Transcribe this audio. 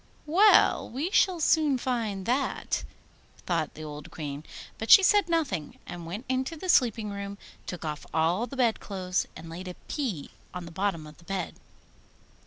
'Well, we shall soon find that!' thought the old Queen. But she said nothing, and went into the sleeping room, took off all the bed clothes, and laid a pea on the bottom of the bed.